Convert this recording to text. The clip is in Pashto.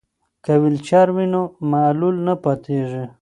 که ویلچر وي نو معلول نه پاتیږي.